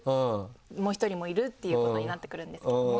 もう一人もいるっていうことになってくるんですけども。